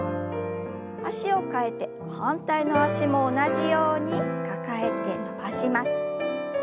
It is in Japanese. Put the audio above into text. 脚を替えて反対の脚も同じように抱えて伸ばします。